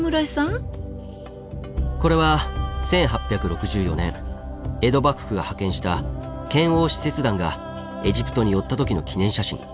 これは１８６４年江戸幕府が派遣した遣欧使節団がエジプトに寄った時の記念写真。